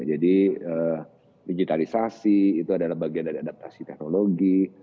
jadi digitalisasi itu adalah bagian dari adaptasi teknologi